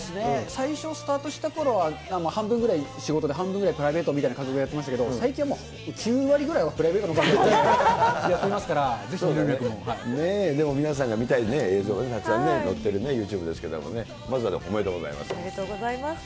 最初、スタートしたころは、半分くらい仕事で、半分ぐらいプライベートみたいな感じでやってましたけど、最近はもう、９割ぐらいはプライベートの感覚でやっていますから、でも、皆さんが見たい映像をたくさんのってるユーチューブですけれどもおめでとうございます。